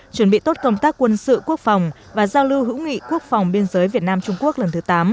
chuẩn bị tốt công tác quân sự quốc phòng và giao lưu hữu nghị quốc phòng biên giới việt nam trung quốc lần thứ tám